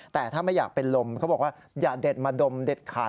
แต่ถ้าไม่อยากเป็นลมเขาบอกว่าอย่าเด็ดมาดมเด็ดขาด